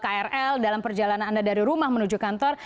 krl dalam perjalanan anda dari rumah menuju kantor